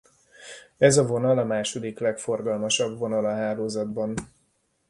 Ez a vonal a második legforgalmasabb vonal a hálózatban.